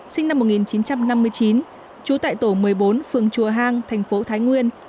sinh năm một nghìn chín trăm năm mươi chín trú tại tổ một mươi bốn phường chùa hang thành phố thái nguyên